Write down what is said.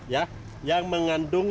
ya yang mengandung